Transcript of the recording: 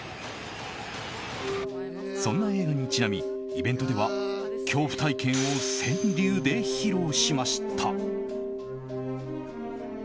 そんな映画にちなみイベントでは恐怖体験を川柳で披露しました。